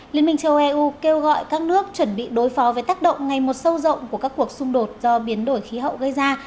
liên minh châu âu kêu gọi các nước chuẩn bị đối phó với tác động ngay một sâu rộng của các cuộc xung đột do biến đổi khí hậu gây ra